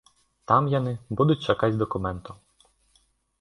Там яны будуць чакаць дакументаў.